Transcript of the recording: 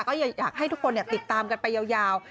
ก็อยากให้ทุกคนติดตามกันไปยาว